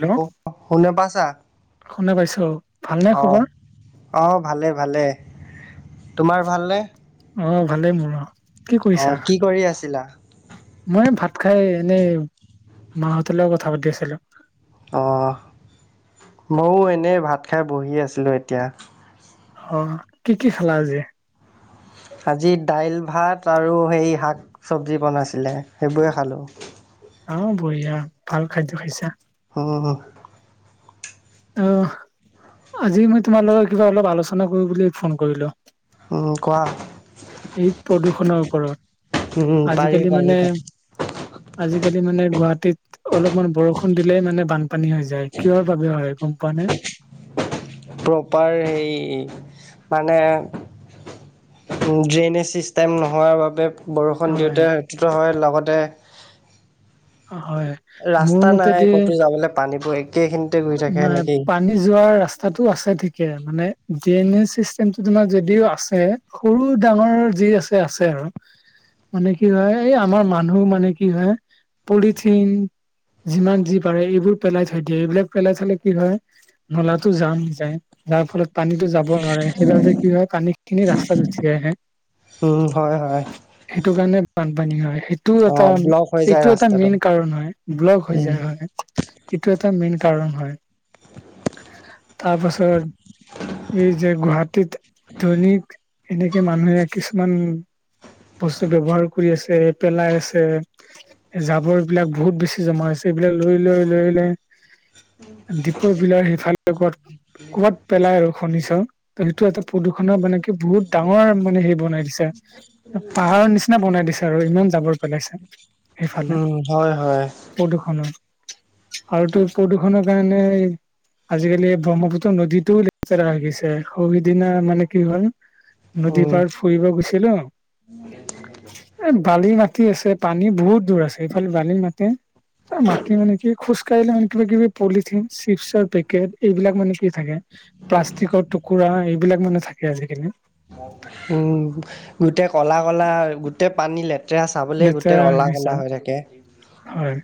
Hello অ শুনা পাইছা? শুনা পাইছোঁ আও অ অ ভালে ভালে তোমাৰ ভালনে? অহ ভালেই মোৰো। কি অ কৰিছা? কি কৰি আছিলা মই ভাত খাই এনেই মাহঁতৰ লগত কথা পাতি আছিলোঁ। অঁ, ময়ো এনেই ভাত খাই বহি আছিলোঁ এতিয়া। অ, কি কি খালা আজি? আজি দাইল ভাত আৰু সেই শাক - চবজি বনাইছিলে সেইবোৰেই খালোঁ। অ বঢ়িয়া, ভাল খাদ্য খাইছা। অ। অহ, আজি মই তোমাৰ লগত কিবা অলপ আলোচনা কৰো বুলি ফোন কৰিলোঁ? অ কোৱা? এই প্ৰদূষণৰ ওপৰত, উম পাৰি আজিকালি পাৰি মানে পাৰি আজিকালি মানে গুৱাহাটীত অলপমান বৰষুণ দিলেই মানে বানপানী হৈ যায়, কিহৰ বাবে হয় গম পোৱা নে? প্ৰপাৰ সেই মানে ড্ৰেইনেজ চিষ্টেম নোহোৱাৰ বাবে বৰষুণ হয় দিওঁতে সিটো হয় লগতে অ হয়। মোৰ ৰাস্তা নাই মতেদি কতো যাবলৈ পানীবোৰ একেখিনিতে গৈ নাই পা নী যোৱাৰ ৰাস্তাটো আছে ঠিকে মানে ড্ৰেইনেজ চিষ্টেমটো তোমাৰ যদিও আছে সৰু ডাঙৰ যি আছে আছে আৰু। মানে কি হয় এই আমাৰ মানুহ মানে কি হয় পলিথিন যিমান যি পাৰে এইবোৰ পেলাই থৈ দিয়ে এইবিলাক পেলাই চালে কি হয় নলাটো জাম হৈ যায় যাৰ ফলত পানীটো যাব নোৱাৰে সেইবাবে কি হয় পানীখিনি ৰাস্তাত উঠি আহে। উম হয় হয়। সেইটো কাৰণে বানপানী হয় সেইটো অ এটা ব্লক হৈ যায় এইটো এটা ৰাস্তাটো মেইন কাৰণ হয় ব্লক হৈ উম যায় হয়। এইটো এটা মেইন কাৰণ হয়। তাৰ পাছত এই যে গুৱাহাটীত ধনী এনেকে মানুহে কিছুমান বস্তু ব্যৱহাৰ কৰি আছে, পেলাই আছে জাবৰ এইবিলাক বহুত বেছি জমা আছে এইবিলাক লৈ লৈ লৈ লৈ দীপৰ বিলই সেইফালে কত ক'বাত পেলাই আৰু শুনিছ? ত সেইটো এটা প্ৰদূষণৰ মানে কি বহুত ডাঙৰ মানে হেৰি বনাই দিছে পাহাৰৰ নিচিনা বনাই দিছে আৰু ইমান জাবৰ পেলাইছে। সেইফালে উম হয় হয়। প্ৰদূষণৰ আৰু তোৰ প্ৰদূষণৰ কাৰণে আজিকালি ব্ৰহ্মপুত্ৰ নদীতটো ল হৈ গিছে সৌ সিদিনা মানে কি হল নদী উম পাৰ ফুৰিব গৈছিলো এ বালি মাটি আছে, পানী বহুত দূৰ আছে এইফালে বালি মাটি বাকী মানে কি খোজ কাঢ়িলে মানে কিবা কিবি পলিথিন, চিপছৰ পেকেট এইবিলাক মানে কি থাকে। প্লাষ্টিকৰ টুকুৰা এইবিলাক মানে থাকে আজিকালি। উম গোটেই কলা কলা, গোটেই পানী লেট লেতেৰা হৈ গৈচে, হয়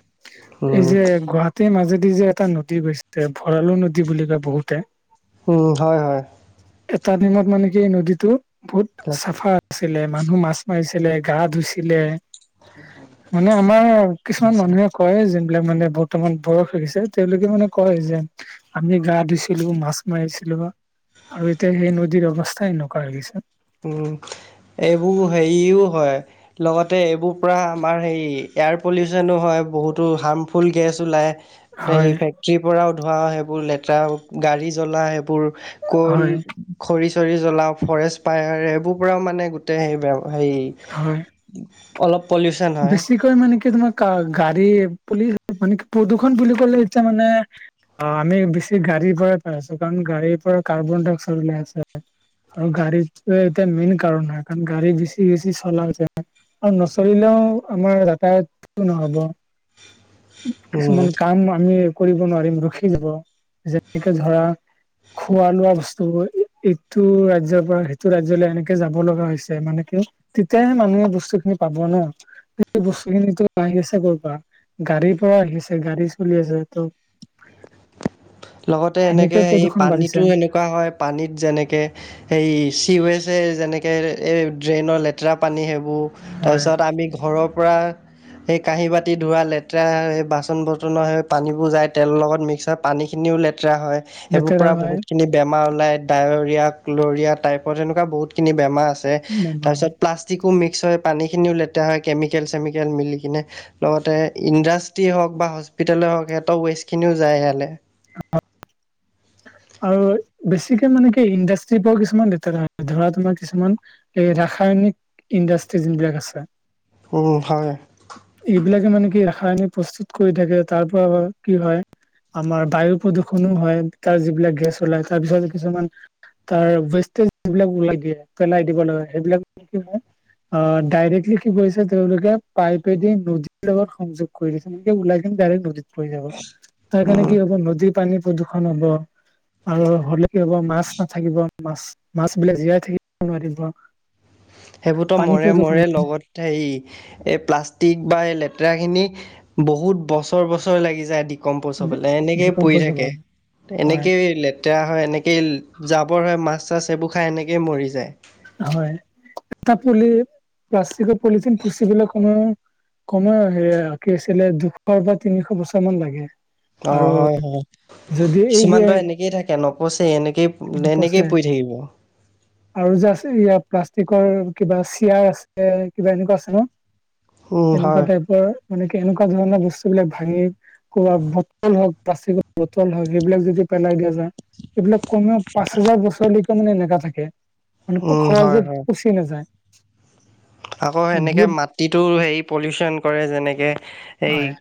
এই উম যে গুৱা তে মাজেদি যে এটা নদী গৈছে ভঁৰালু নদী বুলি কয় বহুতে। উম হয় হয়। এটা দিনত মানে কি এই নদীটো বহুত চাফা। আছিলে মানুহ মাছ মাৰিছিলে, গা ধুইছিলে মানে আমাৰ কিছুমান মানুহে কয় যোনবিলাক মানে বৰ্তমান বয়স হৈ গৈছে তেওঁলোকে মানে কয় যে আমি গা ধুইছিলো মাছ মাৰিছিলো আৰু এতিয়া সেই নদীৰ অৱস্থা এনেকোৱা হৈ গৈছে উ এইবোৰ হেৰিও হয় লগতে এইবোৰ পৰা আমাৰ হেৰি এয়াৰ পলিউচনো হয় বহুতো হাৰ্মফুল গেছ ওলায় তে ই হয় ফেক্ট ৰীৰ পৰা ধুৱা সেইবোৰ লেতেৰা গাড়ী জ্বলা সেইবোৰ কল হয় খৰি চৰি জ্বলাওঁ ফৰেষ্ট পায়াৰ এইবোৰ পৰাও মানে গোটেই সেই হেৰি হয় অলপ পলিউচন হয় বেছিকৈ মানে কি তোমাৰ কা গাড়ী পুলি মানে কি প্ৰদূষণ বুলি কলে এতিয়া মানে অ আমি বেছি গাড়ীৰ পৰাই পাই আছো কাৰণ গাড়ীৰ পৰা কাৰ্বন ডাই অক্সাইড ওলাই আছে আৰু গাড়ীটোৱে এতিয়া মেইন কাৰণ হয় কাৰণ গাড়ী বেছি বেছি চলা যায় আৰু নচৰিলেও আমাৰ যাতায়তটো নহব উম কিছুমান কাম আমি কৰিব নোৱাৰিম ৰখি যাব যেনেকে ধৰা খোৱা লোৱা বস্তুবোৰ এইটো ৰাজ্যযৰ পৰা সেইটো ৰাজ্যলৈ এনেকে যাব লগা হৈছে মানে কি তেতিয়াহে মানুহে বস্তু খিনি পাব ন সেই বস্তু খিনি আহি আছে কৰ পৰা গাড়ীৰ পৰা আহিছে গাড়ী চলি আছেতো লগতে এনেকে সেনেকে সেই প্ৰদূষণ বাঢ়িছে পানীতো এনেকোৱা হয় পানীত যেনেকে এই চিৱেজে যেনেকে এই ড্ৰেইনৰ লেতেৰা পানী সেইবোৰ হয় তাৰপিছত আমি ঘৰৰ পৰা সেই কাঁহী বাতি ধুৱা লেতেৰা সেই বাচন বৰ্তনৰ সেই পানীবোৰ যায় তেলৰ লগত মিক্স হয় পানী খিনিও লেতেৰা হয় এইবোৰ লেতেৰা পৰা হয় বহুতখিনি বেমাৰ ওলায় ডায়ৰিয়া ক্ল'ৰিয়া টাইপত সেনেকোৱা বহুতখিনি বেমাৰ আছে বেমাৰ তাৰপিছত হয়। প্লাছ পাষ্টিকো মিক্স হয় পানীখিনিও লেতেৰা হয় কেমিকেল চেমিকেল মিলিকেনে লগতে ইণ্ডাষ্ট্ৰি হওক বা হস্পিতেলে হওক সিহঁতৰ ৱেষ্টখিনিও যায় ইয়ালে অ আৰু বেছিকে মানে কি ইণ্ডাষ্ট্ৰি পৰাও কিছুমান লেতেৰা আহে ধৰা তোমাৰ কিছুমান এই ৰাসায়নিক ইণ্ডাষ্ট্ৰি যোনবিলাক আছে অ ভাৱে এইবিলাকে মানে কি ৰাসায়নিক প্ৰস্তুত কৰি থাকে তাৰ পৰা কি হয় আমাৰ বায়ু প্ৰদূষণো হয় তাৰ যিবিলাক গেছ ওলায় তাৰপিছত কিছুমান তাৰ বেষ্টে যিবিলাক লাগি আহে পেলাই দিব লগা হয় সেইবিলাক কি হয় অ ডাইৰেক্টলি কি কৰিছে তেওঁলোকে পাইপেদি নদীৰ লগত সংযোগ কৰি দিছে এনেকে ওলাই কিনি ডাইৰেক্ট নদীত পৰি যাব তাৰ উম কাৰণে কি হব নদীৰ পানী প্ৰদূষণ হব আৰু হলে কি হ'ব মাছ নাথাকিব মাছ মাছবিলাক জীয়াই থাকিব নোৱাৰিব সেইবোৰতো পানী মৰে প্ৰদূষণ মৰে লগত সেই এই প্লাষ্টিক বা এই লেতেৰাখিনি বহুত বছৰ বছৰ লাগি যায় আদি কম পইছা পালে এনেকেই পৰি ডিকম্পজ থাকে হব হয় এনেকে লে তেৰা হয় এনেকৈ জাবৰ হয় মাছ চাছ এইবোৰ খাই এনেকেই মৰি যায় হয় তাত পলি প্লাষ্টিক পলিথিন বেছি বিলাক সময়ৰ কমেও সেয়া কি আছিলে দুশ বা তিনিশ বছৰ মান লাগে অ আৰু হয় হয় যদি এই কিছুমান যে তই এনেকেই থাকে নপচেই এনেকেই এনেকেই নপচে পৰি থাকিব আৰু যে আছে ইয়াৰ প্লাষ্টিকৰ কিবা চিয়াৰ আছে কিবা এনেকোৱা আছে ন উম [inaudible] এনেকোৱা হয় টাইপৰ মানে কি এনেকোৱা ধৰণৰ বস্তুবিলাক ভাঙি কবা বটল হওক প্লাষ্টিকৰ বটল হয় সেইবিলাক যিটো পেলাই দিয়া যায়। এইবিলাক কমেও পাঁচ হেজাৰ বছৰলৈকে মানে এনেকা থাকে মানে উম হয় সহজে হয় পচি নাযায় আকৌ সেনেকে বহুত মাটিটো হেৰি পলিউচন কৰে যেনেকে এই হয়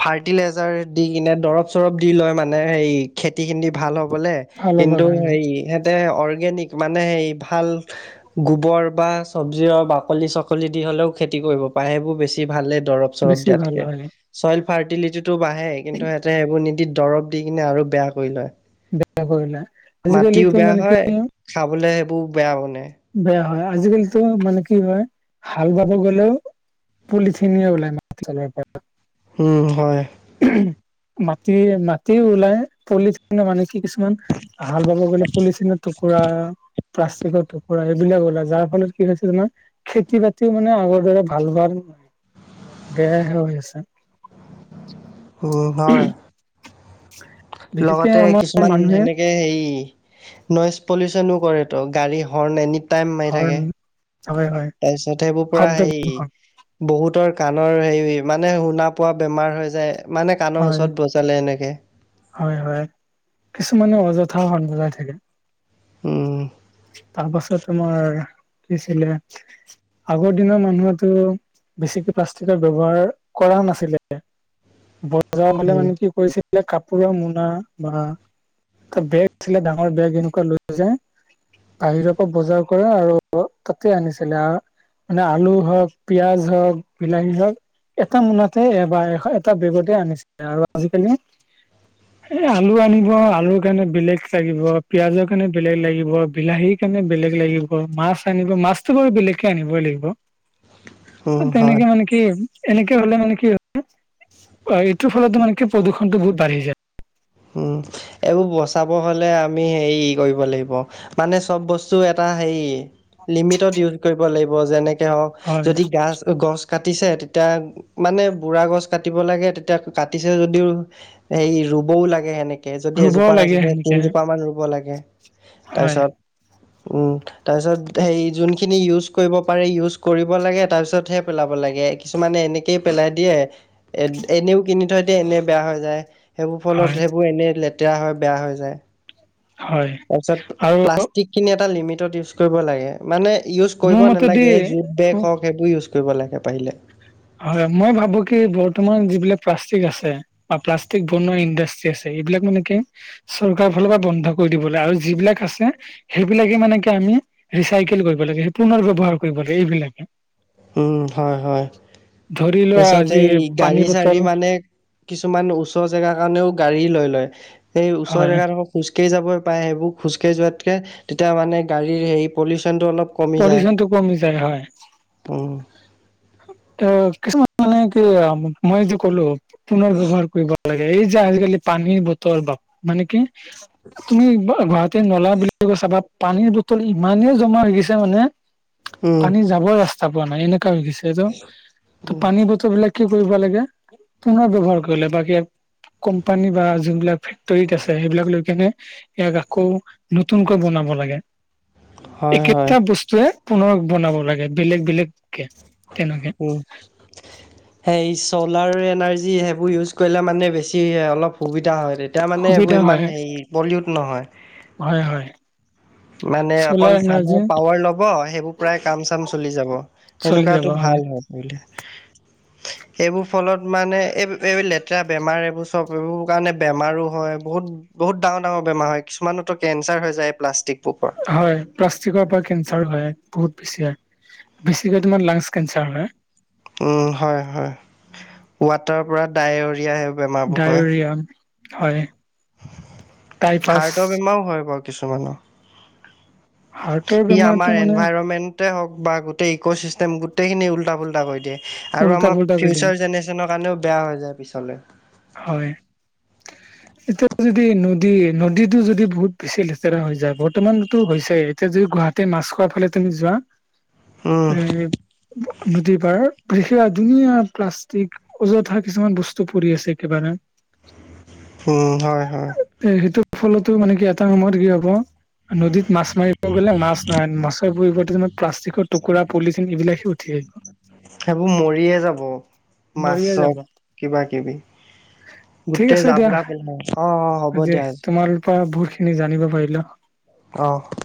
ফাৰ্টিলাইজাৰ দি কিনে দৰব চৰব দি লয় মানে হেৰি খেতি খিনি ভাল হবলে ভাল হ'বৰ কিন্তু কাৰণে হেৰি অৰ্গেনিক মানে হেৰি ভাল গোবৰ বা চব্জি হওক বাকলি চাকলি দি হ'লেও খেতি কৰিব পাৰে সেইবোৰ বেছি ভালে দৰব চৰব বেছি ভাল দিয়াতকে হয় চইল ফাৰ্টিলিটি টো বাঢ়ে কিন্তু সিহঁতে সেইবোৰ নিদি দৰব দি কিনে আৰু বেয়া কৰি লয়। বেয়া কৰিলে মাটিও বেয়া হয় খাবলে সেইবোৰ বেয়া মানে বেয়া হয় আজিকালিতো মানে কি হয় হাল বাব গ'লেও পলিথিনে উলাই [unintelligible] হুম, হয় মাটি মাটি ওলাই পলি মানে কি কিছুমান হাল বাব গ'লে পলিচিনৰ টুকুৰা প্লাষ্টিকৰ টুকুৰা এইবিলাক ওলাই যাৰ ফলত কি হৈছে তোমাৰ খেতি বাতিও মানে আগৰ দৰে ভাল হোৱা সেয়াই হৈ আছে হুম, হয় [inaudible] লগতে আমাৰ কিছুমান মানুহে সেনেকে হেৰি নইজ পলিউচনো কৰেতো গাড়ী হৰ্ণ এনি টাইম মাৰি থাকে হৰ্ন, হয় হয় তাৰপিছত সেইবোৰ পুৰা শব্দ হেৰি প্ৰদূষণ বহুতৰ কাণৰ হেৰি মানে শুনা পোৱা বেমাৰ হৈ যায় মানে কাণৰ হয় ওচৰত [unintelligible] এনেকে হয় - হয়, কিছুমানে অযথাও হৰ্ন বজাই থাকে উম তাৰপাছত তোমাৰ কি আছিলে? আগৰ দিনৰ মানুহেটো বেছিকে প্লাষ্টিকৰ ব্যৱহাৰ কৰা নাছিলে বজাৰ হলে উম মানে কি কৰিছিলে কাপ পুৰা মোনা বা এটা বেগ আছিলে ডাঙৰ বেগ এনেকুৱা লৈ যায় বাহিৰৰ পৰা বজাৰ কৰে আৰু তাতে আনিছিলে মানে আলু হওক, পিয়াজ হওক, বিলাহী হওক এটা মোনাতে এ বা এ এটা বেগতে আনিছে আৰু আজিকালি এ আলু আনিব আলুৰ কাৰণে বেলেগ লাগিব, পিয়াজৰ কাৰণে বেলেগ লাগিব, বিলাহী কাৰণে বেলেগ লাগিব, মাছ আনিব, মাছতো বাৰু বেলেগকে আনিবই লাগিব। উম হয় তেনেকে মানে কি কি এনেকে হলে মানে কি হয় অ', এইটোৰ ফলতো মানে কি প্ৰদূষণটো বহুত বাঢ়ি যায়। উম, এইবোৰ বচাব হ'লে আমি হেৰি কৰিব লাগিব মানে চব বস্তু এটা হেৰি লিমিটত ইউজ কৰিব লাগিব যেনেকে হওঁক হয় যদি গাছ গছ কাটিছে তেতিয়া মানে বুঢ়া গছ কাটিব লাগে তেতিয়া কাটিছে যদিও হে ৰুবও লাগে সেনেকে কে যদি ৰুব এজোপা লাগে [unintelligible] সেনেকে তিনজোপা মান ৰুব লাগে হয় তাৰপিছত উম তাৰপিছত সেই যোনখিনি ইউজ কৰিব পাৰি ইউজ কৰিব লাগে তাৰপিছতহে পেলাব লাগে। কিছুমানে এনেকেই পেলাই দিয়ে এনেও কিনি থৈ দিয়ে এনেই বেয়া হৈ যায় সেইবোৰ ফলত হয় এইবোৰ এনেই লেতেৰা হয় বেয়া হৈ যায়। হয় তাৰপিছত আৰু প্লাষ্টিক খিনি এটা লিমিটত ইউজ কৰিব লাগে মানে ইউজ মোৰ কৰিব মতেদি নালাগে জোট বেগ হওঁক সেইবোৰ ইউজ কৰিব লাগে পাৰিলে। হয় মই ভাবো কি বৰ্তমান যিবিলাক প্লাষ্টিক আছে বা প্লাষ্টিক বনোৱা ইণ্ডাষ্ট্ৰি আছে এইবিলাক মানে কি চৰকাৰ ফালৰ পৰা বন্ধ কৰি দিব লাগে আৰু যিবিলাক আছে সেইবিলাকে মানে কি আমি ৰিচাইকেল কৰিব লাগে সেই পুনৰ ব্যৱহাৰ কৰিব লাগে এইবিলাকে। উম হয় হয় ধৰি লোৱা তাৰপিছত আজি এই পানী গাড়ী বটল চাড়ী মানে কিছুমান ওচৰ জেগা কাৰণেও গাড়ী লৈ লয় সেই ওচৰ হয় জেগা দোখৰ খোজকাঢ়ি যাবই পায় সেইবোৰ খোজকাঢ়ি যোৱাতকে তেতিয়া মানে গাড়ীৰ হেৰি পলিউশ্যচনটো অলপ কমি যায় পলিউশ্যনটো কমি যায় হয়। উম অ কিছুমান মানে কি আও মই যে ক'লো পুনৰ ব্যৱহাৰ কৰিব লাগে এই যে আজিকালি পানীৰ বটল বা মানে কি তুমি এক গুৱাহাটী নলা বিলাক চাবা পানীৰ বটল ইমানেই জমা হৈ গৈছে মানে উম পানী যাবৰ ৰাস্তা পোৱা নাই এনেকা হৈ গৈছে। যিহেতু পানী বটল বস্তু কি কৰিব লাগে পুনৰ ব্যৱহাৰ কৰিলে বাকী কোম্পানী বা যোনবিলাক ফে ফেক্টৰি আছে সেইবিলাক লৈ কেনে ইয়াক আকৌ নতুনকৈ বনাব লাগে। হয় হয়। এটা বস্তুৱে পুনৰ বনাব লাগে বেলেগ বেলেগ কে তেনেকে। উম সেই চ'লাৰ এনাৰ্জি সেইবোৰ ইউজ কৰিলে মানে বেছি অলপ সুবিধা হয় তেতিয়া এতিয়া মানে সুবিধা এইবোৰ হয় ইমান হেৰি পলিউড নহয়। হয় হয়। মানে চ'লাৰ অকল চানে এনাৰ্জি পাৱাৰ ল'ব সেইবোৰ প্ৰায় কাম চাম চলি যাব। চলি যাব সেনেকুৱাতো ভাল হয় বোলে [unintelligible] এইবোৰ ফলত মানে এই এই লেতেৰা বেমাৰ এইবোৰ চব এইবোৰ কাৰণে বেমাৰো হয় বহুত বহুত ডাঙৰ ডাঙৰ বেমাৰ হয় কিছুমানৰতো কেঞ্চাৰ হৈ যায় এই প্লাষ্টিক বোৰ পৰা। হয় প্লাষ্টিকৰ পৰা কেঞ্চাৰ হয় বহুত বেছি হয় বেছিকৈ তোমাৰ লাংছ কেঞ্চাৰ হয়। উম হয় হয় ৱাটাৰ পৰা ডায়ৰিয়া বেমাৰবোৰ হয় ডায়েৰিয়া হয় টাইফাছ হাৰ্টৰ বেমাৰও হয় বাৰু কিছুমানৰ। হাৰ্টৰ ই বেমাৰটো আমাৰ মানে এনভাইৰমেন্টে হওঁক বা গোটেই ইক' চিষ্টেম গোটেই খিনি উল্টা ফুল্টা কৰি দিয়ে। আৰু উল্টা আমাৰ পুল্টা কৰি দিয়ে ফিউচাৰ জেনেৰেশ্যনৰ কাৰণেও বেয়া হৈ যায় পিছলৈ। হয়। এতিয়া যদি নদী নদীতো যদি বহুত বেছি লেতেৰা হৈ যায় বৰ্তমানতো হৈছে এতিয়া যদি গুৱাহাটী মাছ খোৱাৰ ফালে তুমি যোৱা উম এ নদীৰ পাৰ বিশেষ ‌আৰু ধুনীয়া প্লাষ্টিক অযুথা কিছুমান বস্তু পৰি আছে। কিবা নো উম হয় হয়। এ সেইটো ফলতো মানে কি এটা সময়ত কি হব নদীত মাছ মাৰিব গ'লে মাছ নাই, মাছৰ পৰিৱৰ্তে প্লাষ্টিকৰ টুকুৰা পলিথিন এইবিলাকহে উঠ ঠে সেইবোৰ মৰিয়ে যাব মাছ মৰিয়ে যাব হক কিবা কিবি ঠিক গোটেই আছে দিয়া যাবৰা পিন্ধাই অ অ হ'ব দিয়া আজি তোৰপৰা বহুত খিনি জানিব পাৰিলো অহ